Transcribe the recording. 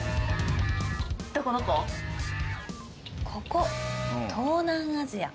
ここ東南アジア。